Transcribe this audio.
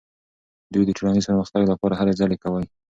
دوی د ټولنیز پرمختګ لپاره هلې ځلې کوي.